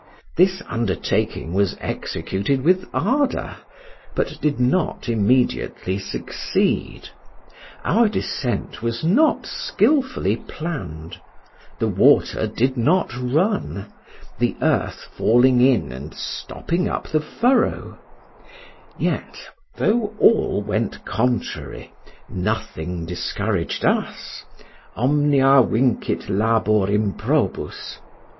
This undertaking was executed with ardor, but did not immediately succeed our descent was not skilfully planned the water did not run, the earth falling in and stopping up the furrow; yet, though all went contrary, nothing discouraged us, 'omnia vincit labor improbus'.